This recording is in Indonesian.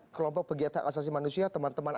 kelompok pegiatan alkastasi manusia teman teman